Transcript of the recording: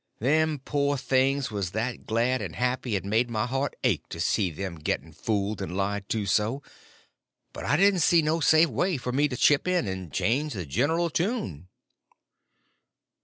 Them poor things was that glad and happy it made my heart ache to see them getting fooled and lied to so, but I didn't see no safe way for me to chip in and change the general tune.